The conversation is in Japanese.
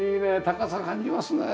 高さ感じますね。